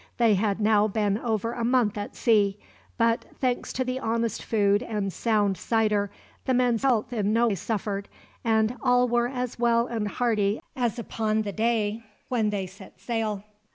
They had now been over a month at sea; but, thanks to the honest food and sound cider, the men's health in no way suffered, and all were as well and hearty as upon the day when they set sail.